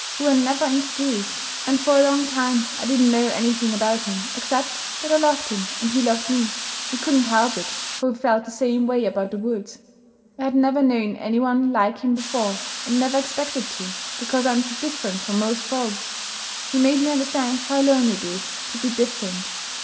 We were never introduced; and, for a long time, I didn't know anything about him except that I loved him and he loved me. We couldn't help it, for we felt the same way about the woods. I had never known any one like him before, and never expected to, because I'm so different from most folks. He made me understand how lonely it is to be different.